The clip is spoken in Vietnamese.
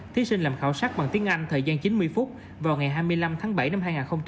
thí sinh làm khảo sát bằng tiếng anh thời gian chín mươi phút vào ngày hai mươi năm tháng bảy năm hai nghìn hai mươi